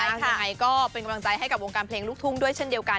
ยังไงก็เป็นกำลังใจให้กับวงการเพลงลูกทุ่งด้วยเช่นเดียวกัน